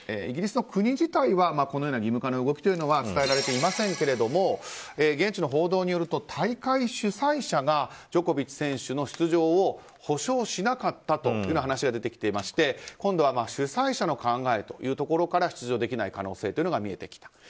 イギリスの国自体はこのような義務化という動きは伝えられていませんけども現地の報道によると大会主催者がジョコビッチ選手の出場を保証しなかったというような話が出てきていまして今度は主催者の考えというところから出場できない可能性というのが見えてきた。